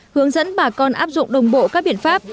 hướng dẫn bà con áp dụng đồng bộ các biện pháp